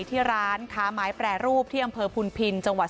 ที่ร้านค้าไม้แปรรูปที่อำเภอพุนพินจังหวัด